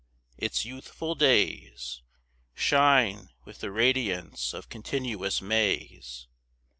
Its youthful days Shine with the radiance of continuous Mays.